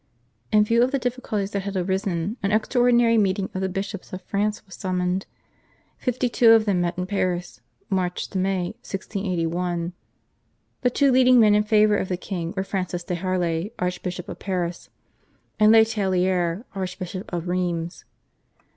In view of the difficulties that had arisen an extraordinary meeting of the bishops of France was summoned. Fifty two of them met in Paris (March May, 1681). The two leading men in favour of the king were Francis de Harlay, Archbishop of Paris, and Le Tellier, Archbishop of Rheims.